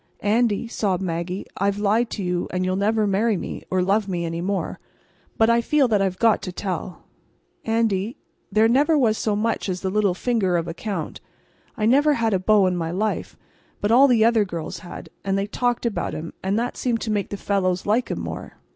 "Andy," sobbed Maggie. "I've lied to you, and you'll never marry me, or love me any more. But I feel that I've got to tell. Andy, there never was so much as the little finger of a count. I never had a beau in my life. But all the other girls had; and they talked about 'em; and that seemed to make the fellows like 'em more.